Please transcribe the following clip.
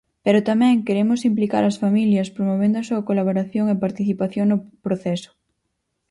Pero tamén queremos implicar as familias promovendo a súa colaboración e participación no proceso.